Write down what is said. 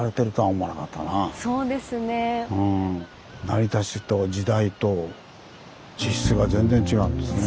成り立ちと時代と地質が全然違うんですね。